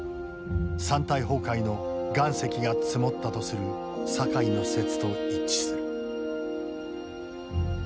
山体崩壊の岩石が積もったとする酒井の説と一致。